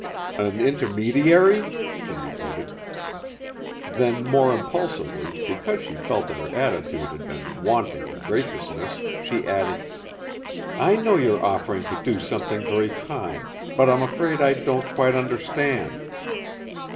"An intermediary?" she repeated. Then more impulsively, because she felt that her attitude had been wanting in graciousness, she added, "I know you're offering to do something very kind, but I'm afraid I don't quite understand."